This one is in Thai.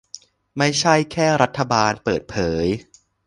ไม่ใช่แค่รัฐบาลเปิดเผย